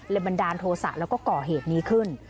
บันดาลโทษะแล้วก็ก่อเหตุนี้ขึ้น